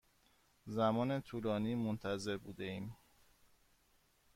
زمان طولانی منتظر بوده ایم.